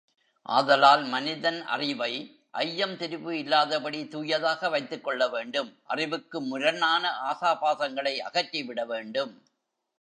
ஆதலால் மனிதன் அறிவை ஐயம், திரிபு இல்லாதபடி தூயதாக வைத்துக்கொள்ள வேண்டும் அறிவுக்கு முரணான ஆசாபாசங்களை அகற்றிவிட வேண்டும்.